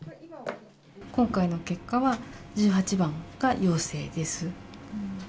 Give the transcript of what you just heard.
今回の結果は、１８番が陽性です。